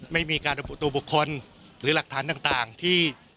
ไม่มีการระบุตัวบุคคลหรือหลักฐานต่างที่